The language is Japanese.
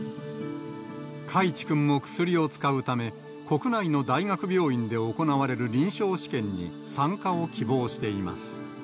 海智君も薬を使うため、国内の大学病院で行われる臨床試験に参加を希望しています。